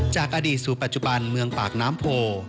จากอดีตสู่ปัจจุบันเมืองปากน้ำโพ